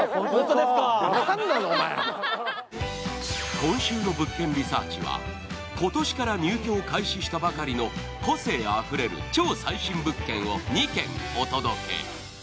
今週の「物件リサーチ」は今年から入居を開始したばかりの個性あふれる超最新物件を２軒お届け。